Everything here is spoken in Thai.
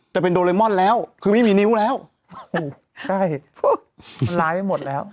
จะเป็นโดเรมอนแล้วคือไม่มีนิ้วแล้วใช่มันร้ายไปหมดแล้ว